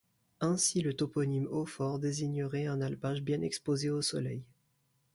Ainsi le toponyme Hauts-Forts désignerait un alpage bien exposé au soleil.